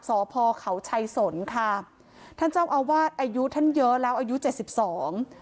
สพเขาชัยสนค่ะท่านเจ้าอาวาสอายุท่านเยอะแล้วอายุเจ็ดสิบสอง